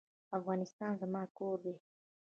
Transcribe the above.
افغانستان زما کور دی؟